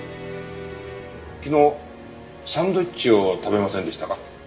昨日サンドイッチを食べませんでしたか？